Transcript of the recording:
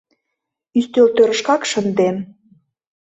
Ӱстелтӧрышкак шындем.